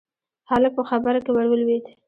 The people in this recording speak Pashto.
هلک په خبره کې ور ولوېد: